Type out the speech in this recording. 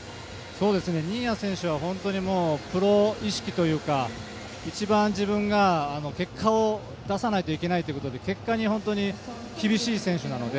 新谷選手はプロ意識というか一番自分が結果を出さないといけないということで本当に結果に厳しい選手なので。